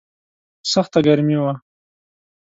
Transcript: سخته ګرمي وه.